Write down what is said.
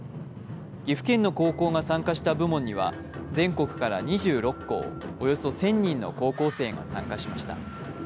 岐阜県の高校が参加した部門に、全国から２６校、およそ１０００人の高校生が参加しました。